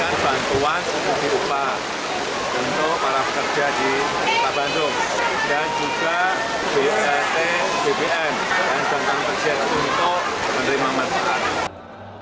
kita berikan bantuan untuk para pekerja di kota bandung dan juga bat bpn dan kantor kantor sehat untuk menerima manfaat